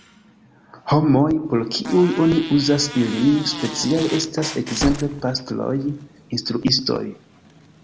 Homoj, por kiuj oni uzas ilin, speciale estas ekzemple pastroj, instruistoj.